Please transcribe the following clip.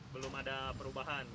belum ada perubahan